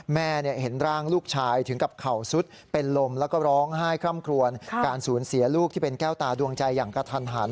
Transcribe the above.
แม่เห็นร่างลูกชายถึงกับเข่าซุดเป็นลมแล้วก็ร้องไห้คร่ำครวนการสูญเสียลูกที่เป็นแก้วตาดวงใจอย่างกระทันหัน